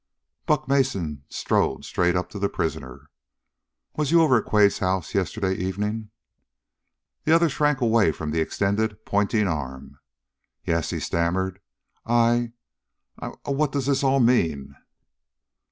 Buck Mason strode straight up to the prisoner. "Was you over to Quade's house yesterday evening?" The other shrank away from the extended, pointing arm. "Yes," he stammered. "I I what does all this mean?"